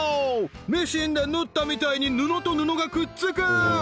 ミシンで縫ったみたいに布と布がくっつく！